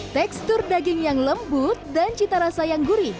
tekstur daging yang lembut dan cita rasa yang gurih